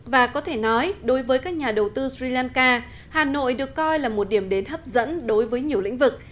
và có thể nói đối với các nhà đầu tư sri lanka hà nội được coi là một điểm đến hấp dẫn đối với nhiều lĩnh vực